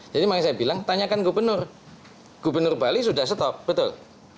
jadi makanya saya bilang tanyakan gubernur gubernur bali sudah stop betul